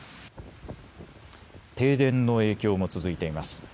停電の影響も続いています。